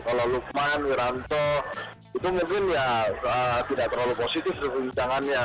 kalau lukman wiranto itu mungkin ya tidak terlalu positif rukunjungannya